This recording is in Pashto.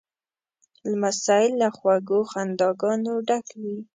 لمسی له خوږو خنداګانو ډک وي.